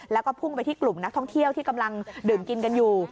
แล้วก็พุ่งไปที่กลุ่มนักท่องเที่ยวที่กำลังดื่มกินกันอยู่